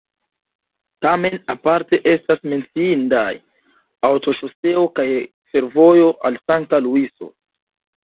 Tamen aparte estas menciindaj aŭtoŝoseo kaj fervojo al Sankta Luiso.